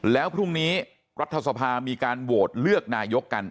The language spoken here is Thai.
แล้วพรุ่งนี้รัฐสภามีการโหวตเลือกนายกกัน